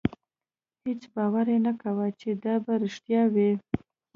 هېڅ باور یې نه کاوه چې دا به رښتیا وي.